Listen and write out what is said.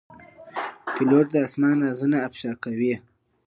پیلوټ د آسمان رازونه افشا کوي.